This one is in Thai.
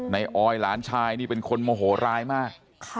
ออยหลานชายนี่เป็นคนโมโหร้ายมาก